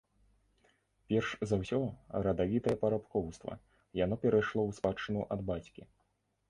Перш за ўсё, радавітае парабкоўства, яно перайшло ў спадчыну ад бацькі.